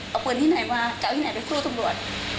เอาปืนที่ไหนมาจะเอาที่ไหนไปสู้ตำรวจ